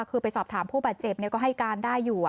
คือไปสอบถามผู้บาดเจ็บก็ให้การได้อยู่